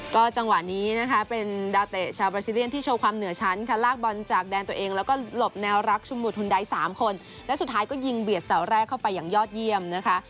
ก็จังหวะนี้นะคะเป็นดาวเตะชาวบราซิเรียนที่โชว์ความเหนือชั้นค่ะลากบอลจากแดนตัวเองแล้วก็หลบแนวรักชุมหุดหุ่นใด๓คนและสุดท้ายก็ยิงเบียดเสาแรกเข้าไปอย่างยอดเยี่ยมนะคะ